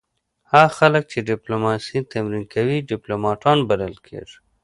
هغه خلک چې ډیپلوماسي تمرین کوي ډیپلومات بلل کیږي